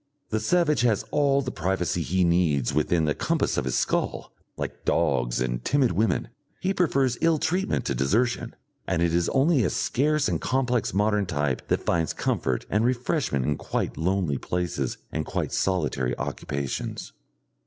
The savage has all the privacy he needs within the compass of his skull; like dogs and timid women, he prefers ill treatment to desertion, and it is only a scarce and complex modern type that finds comfort and refreshment in quite lonely places and quite solitary occupations.